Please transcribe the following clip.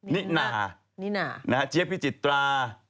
นิน่าเจี๊ยบพิจิตรา